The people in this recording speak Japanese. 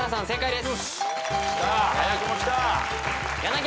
正解です。